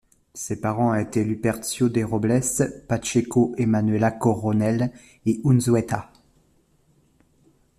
Ses parents étaient Lupercio de Robles Pacheco et Manuela Coronel y Unzueta.